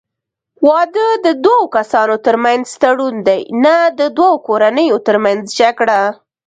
واده د دوه کسانو ترمنځ تړون دی، نه د دوو کورنیو ترمنځ جګړه.